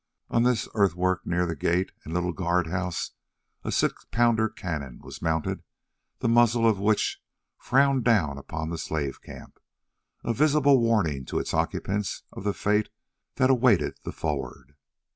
On this earthwork near the gate and little guard house a six pounder cannon was mounted, the muzzle of which frowned down upon the slave camp, a visible warning to its occupants of the fate that awaited the froward.